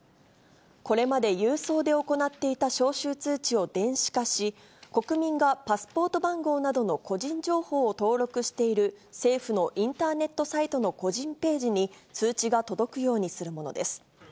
これまで郵送で行っていた招集通知を電子化し、国民がパスポート番号などの個人情報を登録している、政府のインターネットサイトの個人ページに通知が届くようにするものです。